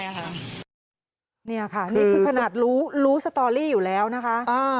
นี่ค่ะนี่คือขนาดรู้สตอรี่อยู่แล้วนะคะ